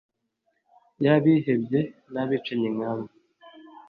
y'abihebye n'abicanyi nka mwe